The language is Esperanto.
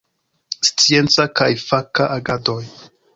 Scienca kaj faka agadoj.